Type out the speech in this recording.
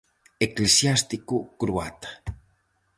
Eclesiástico croata.